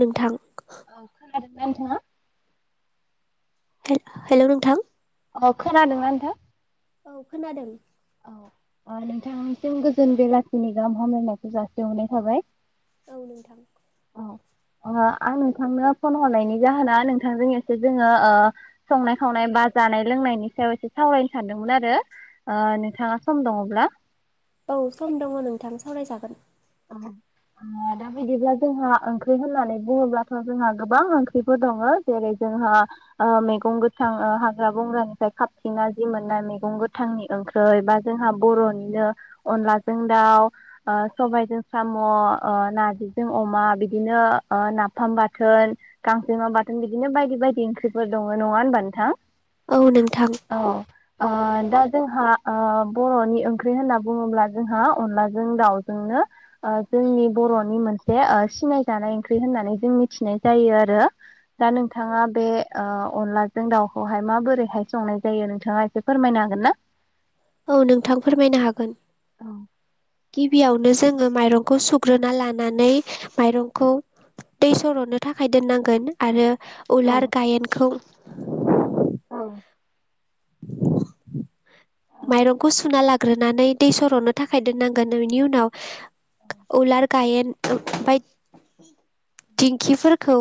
नोंथां औ खोनादोंना नोंथाङा हेलौ नोंथां अ खोनादोंना नोंथां औ खोनादों नोंथांनिसिम गोजोन बेलासिनि गाहाम हामलायनायखौ जासिहरनाय थाबाय औ नोंथां औ आं नोंथांनो फन हरनायनि जाहोना नोंथांजों एसे जोङो संनाय खावनाय बाजार जानाय लोंनायनि सायाव एसे सावरायनो सानदोंमोन आरो नोंथाङा सम दङब्ला औ सम दङ नोंथां सावरायजागोन औ दा बिदिब्ला जोंहा ओंख्रि होननानै बुङोब्लाथ' जोंहा गोबां ओंख्रिफोर दङ जेरै जों जोंहा मैगं गोथां हाग्रा बंग्रानिफ्राय खापथिना जि मोननाय मैगं गोथांनि ओं ख्रै बा जोंहा बर'निनो अनलाजों दाउ स सो न अमा बिदिनो नाफाम बाथोन गांजेमा बाथोन बिदिनो बायदि बायदि ओंख्रिफोर दङ नङा होनोमबा नोंथां औ नोंथां औ ओ दा जोंहा ओ बर'नि ओंख्रि होनना बुङोब्ला जोंहा अनलाजों दाउजोंनो ओ जोंनि बर'नि मोनसे सिनाय जानाय ओंख्रि होननानै जों मिथिनाय जायो आरो दा नोंथाङा बे अनलाजों दाउखौहाय माबोरैहाय संनाय जायो नोंथाङा एसे फोरमाय होननो हागोन ना औ नोंथां फोरमायनो हागोन औ गिबियावनो जोङो माइरंखौ सुग्रोना लानानै माइरंखौ दै सरननो थाखाय दोननांगोन आरो औ उलार गायेनखौ औ औ माइरंखौ सुना लाग्रोनानै दै सर'नो थाखाय दोननांगोन बेनि उनाव उलार गायेन बाय दिंखिफोरखौ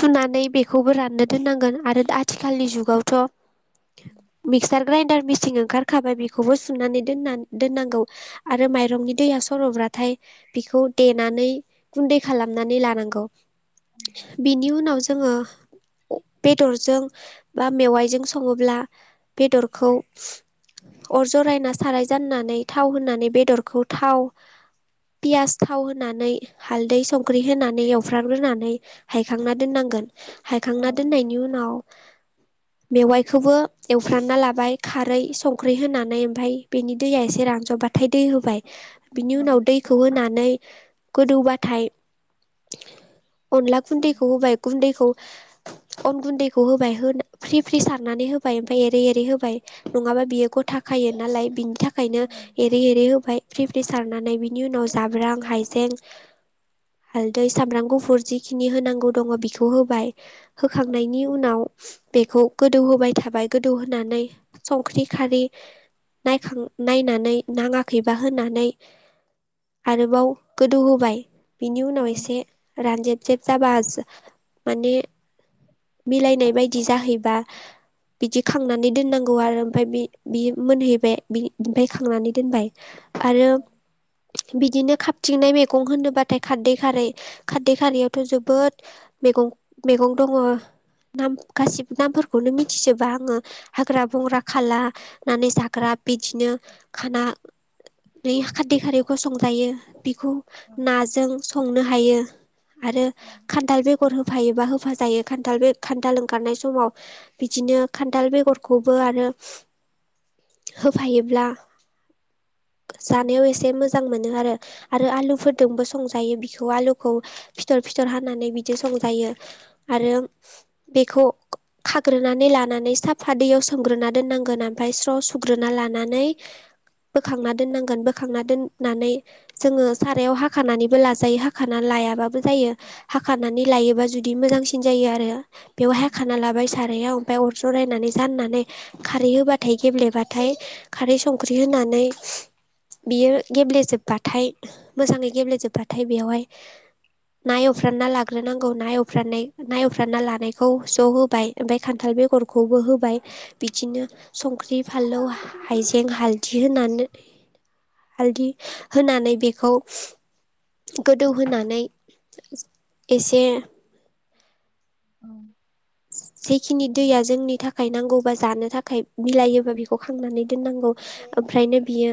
सुनानै बेखौबो राननो दोननांगोन आरो आथिखालनि जुगावथ' मिगसार ग्रेइनडार मेसिन ओंखारखाबाय बेखौबो सुनानै दोन दोननांगौ आरो माइरंनि दैया सरब्रा नाथाय बिखौ देनानै गुन्दै खालामनानै लानांगौ बिनि उनाव जोङो बेदरजों बा मेवाइजों सङोब्ला बेदरखौ अर जरायना साराय जाननानै थाव होनानै बेदरखौ थाव पियास थाव होनानै हालदै संख्रि होनानै एवफ्रामग्रोनानै हायखांना दोननांगोन औ हायखांना दोननायनि उनाव मेवाइखौबो एवफ्रामना लाबाय खारै संख्रि होनानै ओमफ्राय बेनि दैया एसे रानजबबाथाय ओमफ्राय दै होबाय बिनि उनाव दैखौ होनानै गोदौबाथाय अनला गुन्दैखौ होबाय गुन्दैखौ अन गुन्दैखौ होबाय होना फ्रि फ्रि सारनानै होबाय ओमफ्राय एरै एरै होबाय नङाबा बियो गथ खायो नालाय बिनि थाखाय थाखायनो एरै एरै होबाय फ्रि फ्रि सारनानै बिनि उनाव जाब्रां हाइजें हालदै सामब्राम गुफुर जिखिनि होनांगौ दङ बेखौ होबाय होखांनायनि उनाव बेखौ गोदौ होबाय थाबाय गोदौहोनानै संख्रि खारै नायखां नायनानै नाङाखैबा होनानै आरोबाव गोदौहोबाय बिनि उनाव एसे रानजेब जेब जाबा माने मिलायनाय बायदि जाहैबा बिदि खांनानै दोननांगौ आरो ओमफ्राय बि बि मोनहैबाय ओमफ्राय खांनानै दोनबाय आरो बिदिनो खाबथिंनाय मैगं होनोबाथाय खारदै खारै खारदै खारैयावथ' जोबोद मैगं बु दङ नाम गासिबो नामफोरखौनो मिथिजोबा आङो हाग्रा बंग्रा खालानानै जा ग्रा बिदिनो खाना नै खारदै खारैखौ संजायो बेखौ नाजों संनो हायो आरो खान्थाल बेगर होफायोबा होफा जायो खा खान्थाल बे खान्थाल ओंखारनाय समाव बिदिनो खान्थाल बेगरखौबो आरो होफायोब्ला जानायाव एसे मोजां मोनो आरो। आरो आलुफोरदोंबो संजायो बिखौ आलुखौ फिथर फिथर हानानै बिदि संजायो। आरो बेखौ खाग्रोनानै लानानै साफा दैयाव सोमग्रोना दोननांगोन ओमफ्राय स्र' सुग्रोना लानानै बोखांना दोननांगोन बोखांना दोननानै जोङो सारायाव हाखानानैबो लाजायो हाखाना ला लायाबाबो जायो हाखानानै लायोबा जुदि मोजांसिन जायो आरो। बेवहाय खाना लाबाय सारायाव ओमफाय अर जरायनानै जाननानै खारै होबाथाय गेब्लेबाथाय खारै संख्रि होनानै बियो गेब्लेजोबबाथाय मोजाङै गेब्लेजोबबाथाय बेयावहाय ना एवफ्रामना लाग्रोनांगौ ना एवफ्रामनाय ना एवफ्राम मना लानायखौ ज' होबाय ओमफ्राय खान्थाल बेगरखौबो होबाय बिदिनो संख्रि फा लौ हाइजें हालदि होना हालदि होनानै बेखौ गोदौहोनानै एसे औ। जिखिनि दैया जोंनि थाखाय नांगौ बा जानो थाखाय बिलायोबा बेखौ खांनानै दोननांगौ ओमफ्रायनो बियो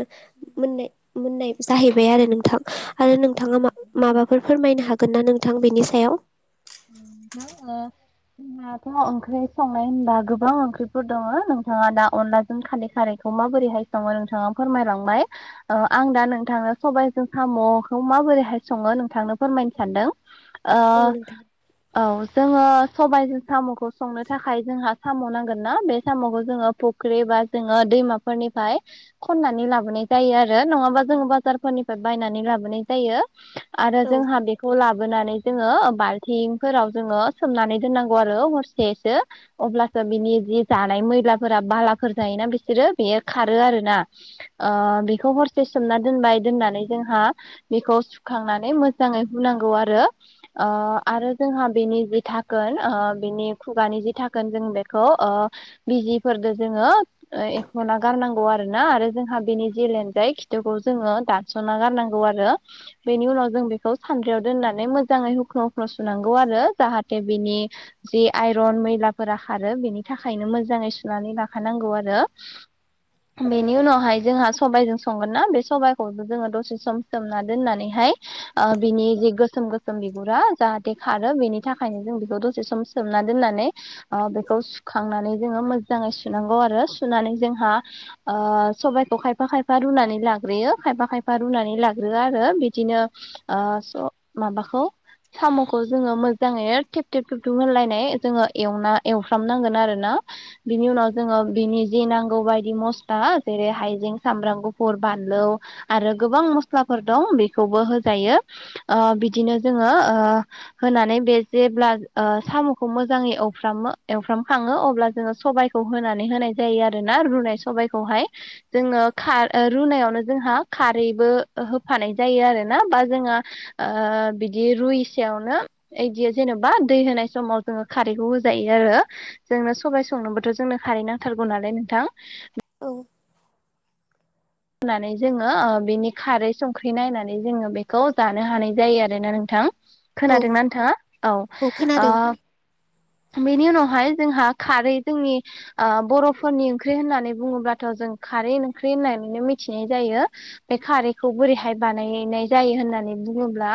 मोननाय मोननाय जाहैबाय आरो नोंथां। आरो औ नोंथाङा मा-माबाफोर फोरमायनो हागोन ना नोंथां बेनि सायाव? नंगौ ओ जोंहाथ' ओंख्रि संनाय होनबा गोबां ओंख्रिफोर दंङ नोंथांङा दा अनलाजों खारै खारै माबोरैहाय संङो नोंथांङा फोरमायलांबाय ओ आं दा नोंथांनो सबाइजों साम'खौ मा बोरैहाय संङो नोंथांनो फोरमायनो सानदों ओ औ नोंथां औ जोङो सबायजों साम'खौ संनो थाखाय जोंहा साम' नांगोन ना बे साम'खौ जों फुख्रि बा जोंङो दैमाफोरनिफ्राय खननानै लाबोनाय जायो आरो नंङाबा जोंङो बाजार निफ्राय बायनानै लाबोनाय जायो आरो औ जोंहा बेखौ लाबोनानै जोंङो बाल थिं फोराव जोङो सोमनानै दोननांगौ आरो हरसेसो अब्लासो बिनि जि जानाय मै ला फोरा बाला फोर जायोना बिसोरो बेयो खारो आरोना ओ बिखौ हरसे सोमना दोनना बाय दोननानै जोंहा बेखौ सुखांनानै मोजाङै हुनांगौ आरो ओ आरो जोंहा बेनि जि थाखोन ओ बेनि खुगानि जि थाखोन जों बेखौ ओ जिफोरदो जोङो ओ एख'ना गारनांगौ आरो ना आरो जोंहा बेनि जि लेनजाय खिथुखौ जोङो ङो दानसना गारनांगौ आरो बेनि उनाव जों बेखौ सानद्रियाव दोननानै मोजै हुख सुनांगौ आरो जाहाथे बिनि जि आइरन मैला फोरा खारो बेनि थाखायनो मोजाङै सुनानै लाखानांगौ आरो। बेनि उनावहाय जोंहा सबायजों संगोन ना बे सबायखौबो जोङो दसे सम सोमना दोननानैहाय ओ बिनि जि गोसोम गोसोम बिगुरा जाहाथे खारो बेनि थाखायनो जों बेखौ दसे सम सोमना दोननानै ओ बेखौ सुखांनानै जोङो मोजाङै सुनांगौ आरो सुनानै जोंहा ओ सबाइखौ खायफा खायफा रुनानै लाग्रोयो खायफा खायफा रुनानै लाग्रोआ आरो बिदिनो आ स माबाखौ साम'खौ जोङो मोजाङै थेब थेब थेथुम होनलायनाय जोङो एवना एवफ्रामनांगोन आरो ना। बिनि उनाव जोङो बिनि जि नांगौ बायदि मस्ला जेरै हायजें सामब्राम गुफुर बान लौ आरो गोबां मस्लाफोर दं बेखौबो होजायो ओ बिदिनो जोङो ओ ओ होनानै बे जेब्ला ओ साम'खौ मोजाङै एवफ्रामो एवफ्राम खाङो अब्ला जोंङो सबायखौ होनानै होनाय जायो आरोना रुनाय सबायखौहाय जोङो खा ओ रुनायाव ओ जोंहा खारैबो होफानाय जायो आरोना बा जोंङो बिदि रुबि सेयावनो ऐदि जेनेबा दै होनाय समाव जोंङो खारैखौ होजायो आरो जोंनो सबाय संनोबोथ' जोंनो खारै नांथारगौ नालाय नोंथां। [inaudible] होनानै जोङो बिनि खारै संख्रि नायनानै जोङो बेखौ जानो हानाय जायो आरोना नोंथां। औ खोनादोंना नोंथाङा? औ ओ बेनि उनाव- हाय जोंहा खारै जोंनि ओ बर'फोरनि ओंख्रि होननानै बुङोब्लाथ' जों खारै ओंख्रि होननानै- नो मिथिनाय जायो बे खारैखौ बोरैहाय बानायनाय जायो होननानै बुङोब्ला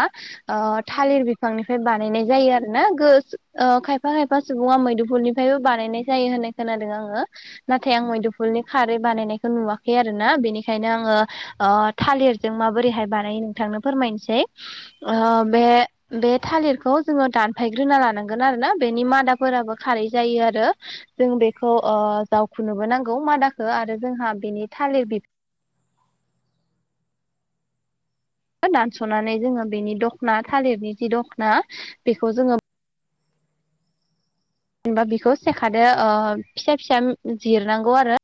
ओ थालिर बिफांनि- बानायनाय जायो आरोना। गो खायफा खायफा सुबुङा मैदुफुलनिफ्रायबो बानायनाय जायो होननाय खोना- दों आङो। नाथाय आं मैदुफुलनि खारै बानायनायखौ नुवाखै आरो ना बेनिखायनो आङो ओ थालिरजों माबोरैहाय बानायो नोंथांनो फोरमायनोसै। आ बे बे थालिरखौ जोङो दानफायग्रोना लानांगोन आरो ना बेनि मादाफोराबो खारै जायो आरो। जों बेखौ ओ जावखुनोबो नांगौ मादाखो आरो जोंहा बेनि थालिर बिफां दानस'नानै जोङो बेनि दख'ना थालिरनि जि दख'ना बेखौ जोङो जेनेबा बेखौ सेखादो ओ फिसा फिसा जिरनांगौ आरो।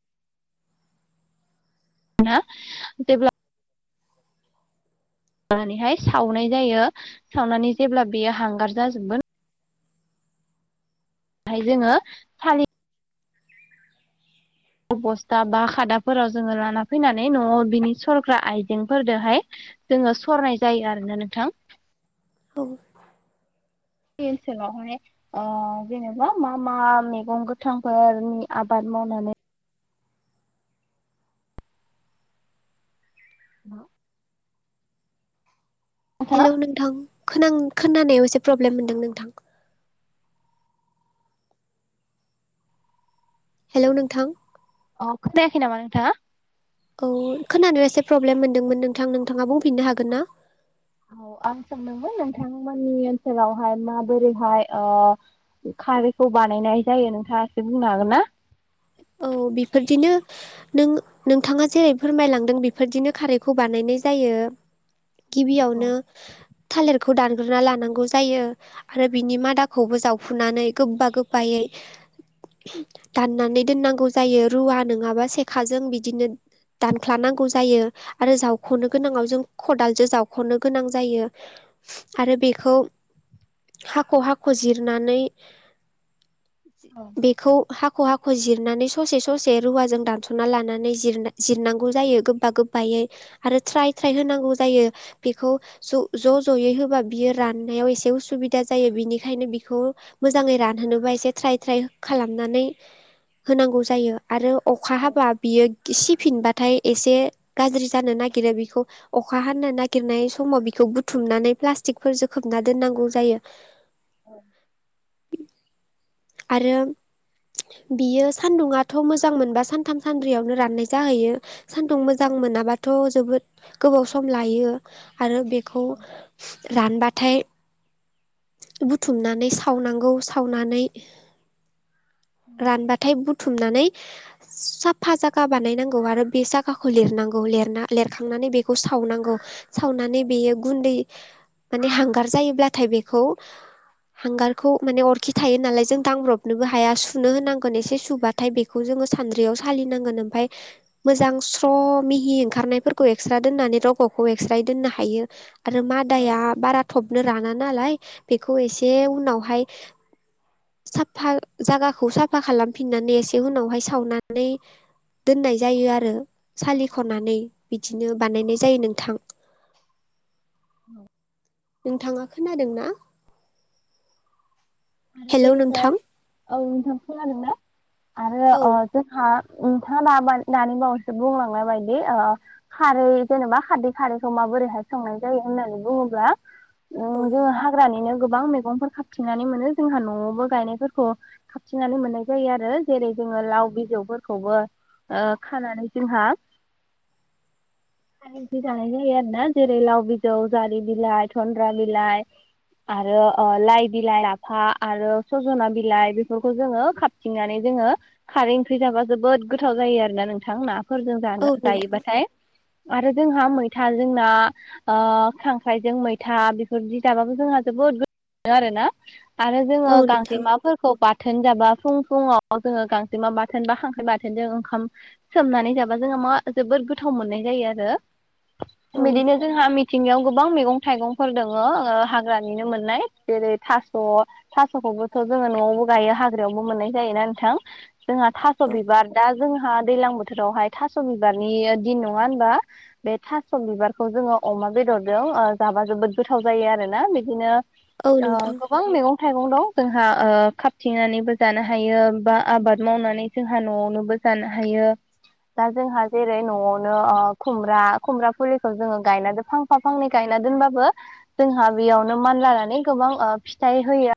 जेब्ला नानैहाय सावनाय जायो सावनानै जेब्ला बेयो हांगार जाजोबगोन बेाहाय जोङो फालि- बस्था बा खादाफोराव जोङो लाना फैनानै न'आव बिनि सरग्रा आइजेंफोरजोंहाय जोङो सरनाय जायो आरोना नोंथां। औ बे ओनसोलावहाय ओ जेनेबा मा मा मैगं गोथांफोरनि आबाद मावनानै [unintelligible] नोंथाङा हेलौ नोंथां खोनां खोनानायाव एसे प्रब्लेम मोनदों नोंथां। हेल' नोंथां। अ खोनायाखै नामा नोंथांङा? औ खोनानायाव एसे प्रब्लेम मोनदोंमोन नोंथां नोंथाङा बुंफिननो हागोन ना? औ आं सोंदोंमोन नोंथांमोननि ओनसोलावहाय माबोरैहाय ओ खारैखौ बानायनाय जायो नोंथाङा एसे बुंनो हागोन ना? औ बेफोरदिनो नों नोंथाङा जेरै फोरमायलांदों बेफोरदिनो खारैखौ बानायनाय जायो। गिबियावनो औ थालिर- खौ दानग्रोना लानांगौ जायो आरो बिनि मादाखौबो जावफुनानै गोबा गोबायै दाननानै दोननांगौ जायो रुवा नङाबा सेखाजों बिदिनो दानख्लानांगौ जायो आरो जावख'नो गोनाङाव जों खदालजों जावख'नो गोनां जायो। आरो बेखौ हाख' हाख' जिरनानै औ बेखौ हाख' हाख' जिरनानै ससे ससे रुवाजों दानस'ना लानानै जिरना जिरनांगौ जायो गोबा गोबायै। आरो थोराइ थोराइ होनांगौ जायो बेखौ ज' ज'यै होबा बियो राननायाव एसे उसु- बिदा जायो। बिनिखायनो बिखौ मोजाङै रानहोनोबा एसे ट्राइ ट्राइ खालामनानै होनांगौ जायो आरो अखा हाबा बियो गिसि सिफिनबाथाय एसे गाज्रि जानो ना- गिरो बेखौ अखा हानो नागिरनाय समाव बिखौ बुथुमनानै प्लाषटिकफोरजों खोबना दोननांगौ जायो। [unintelligible] औ आरो बियो सान्दुङाथ' मोजां मोनबा सानथाम सानद्रैयावनो राननाय जाहैयो। सान्दुं मोजां औ मोनाबाथ' जोबोद गोबाव सम लायो। आरो बेखौ रानबाथाय बुथुमनानै सावनांगौ। सावनानै रानबाथाय बुथुमनानै साफा जागा बानायनांगौ आरो बे जागाखौ लिरनांगौ। लि- लिरना-लिरखांनानै बेखौ सावनांगौ सावनानै बेयो गुन्दै माने हांगार जायोब्लाथाय बेखौ हांगारखौ माने अरखि थायो नालाय जों दांब्रबनोबो हाया सुनो होनांगोन एसे सुबाथाय बेखौ जोङो सानद्रियाव सालिनांगोन ओमफ्राय मोजां स्र' मिहि ओंखारनायफोरखौ एक्स्रा दोननानै रग'खौ एक्स्रा दोननो हायो। आरो औ मादाया बारा थब नो राना नालाय बेखौ एसे उनावहाय साफा जागा खौ साफा खालामफिननानै एसे उनावहाय सावनानै दोननाय जायो आरो औ सालिख'नानै बिदिनो बानायनाय जायो नोंथां। औ नोंथाङा खोनादों ना? आरो हेलौ बेनिफ्राय नोंथां औ नोंथां खोनादोंना? आरो औ अ जोंहा नोंथाङा दाब दानि बावैसो बुंलांनाय बायदि ओ खारै जेनेबा खारदै खारैखौ मा बोरैहाय संनाय जायो होननानै बुङोब्ला उ औ जोङो हाग्रानिनो गोबां मैगंफोर खाबथिंनानै मोनो। जोंहा न'आवबो गायनायफोरखौ खाबथिंननानै मोननाय जायो आरो जेरै जोङो लाव बिजौफोरखौबो ओ खानानानै जोंहा। [inaudible] दि जानाय जायो आरो ना जेरै लाव बिजौ जारि बिलाइ धन्द्रा बिलाइ आरो ओ लाय बिलाइ ला फा आरो सजना बिलाइ बेफोरखौ जोङो खााबथिंनानै जोङो खारै ओंख्रि जाबा जोबोद गोथाव जायो आरो ना नोंथां नाफोरजों औ जानो नोंथां जायोबाथाय। आरो जोंहा मैथा जोंना ओ खांख्राइजों मैथा बेफोर बिजाबाबो जोंहा जोबोद गो थाव मोनो आरोना आरो औ जोङो नोंथां गांजेमा‌ फोरखौ बा थोन जाबा फुं फुङाव जोङो गांजेमा बाथोन बा खांख्राइ बाथोनजों ओंखाम सोमनानै जाबा जोङो मा जोबोर गोथाव मोनाय जायो आरो औ मिदिनो जोंहा मि थिंगायाव गोबां मैगं-थाइगंफोर दङो ओ हाग्रानिनो मोननाय जेरै था स' थास'खौबोथ' जोङो न'आवबो गायो हाग्रायावबो मोननाय जायोना नोंथां। जोंहा थास' बिबार दा जोंहा दैलां बोथोरावहाय थास'बिबारनि ओ दिन नङा होनबा बे थास' बिबारखौ जो अमा बे दरजों ओ जाबा जोबोद गोथाव जायो आरोना बिदिनो औ नोंथां। मैगं-थाइगं दं जोंहा ओ खाबथिंनानैबो जानो हायो बा आबाद मावनानै जोंहा न'आव बो जानो हायो। दा जोंहा जेरै न'आवनो ओ खुमब्रा खुमब्रा फुलिखौ जोङो गायनानै फांफा फांनै गायना ना दोनबाबो जोंहा बेयावनो मान लानानै गोबां ओ फिथाइ होयो।